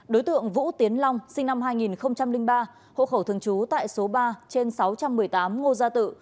đối tượng vũ tiến long sinh năm hai nghìn ba hộ khẩu thường trú tại số ba trên sáu trăm một mươi tám ngô gia tự